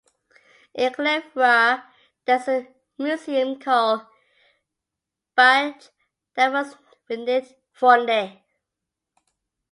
In Glyvrar there is a museum called 'Bygdasavnid Forni'.